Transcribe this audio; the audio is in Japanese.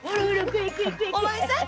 お前さん。